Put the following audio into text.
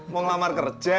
mau ngelamar kerja